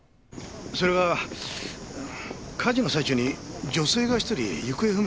それが火事の最中に女性が１人行方不明になってるんです。